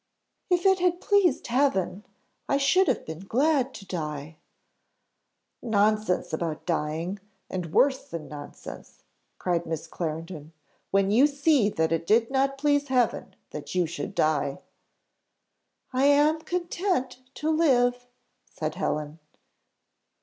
"If it had pleased Heaven, I should have been glad to die." "Nonsense about dying, and worse than nonsense," cried Miss Clarendon, "when you see that it did not please Heaven that you should die " "I am content to live," said Helen.